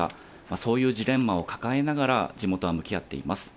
そうしたジレンマを抱えながら、地元は向き合っています。